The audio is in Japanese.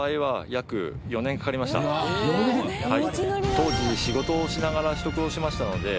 当時仕事をしながら取得をしましたので。